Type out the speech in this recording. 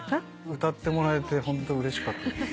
歌ってもらえてホントうれしかったです。